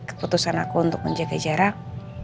jadi keputusan aku untuk menjaga jarak